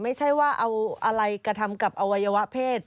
เอาอะไรกระทำกับอวัยวะเพศ